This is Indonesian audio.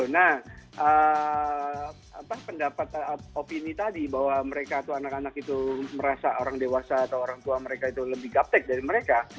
nah pendapat opini tadi bahwa mereka atau anak anak itu merasa orang dewasa atau orang tua mereka itu lebih gaptek dari mereka